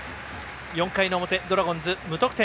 ４回の表、ドラゴンズ無得点。